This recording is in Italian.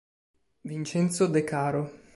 Vincenzo De Caro